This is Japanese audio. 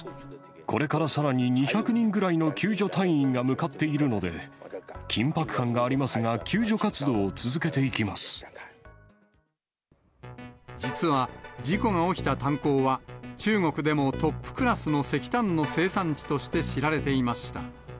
これからさらに２００人ぐらいの救助隊員が向かっているので、緊迫感がありますが、救助活動を実は、事故が起きた炭鉱は、中国でもトップクラスの石炭の生産地として知られていました。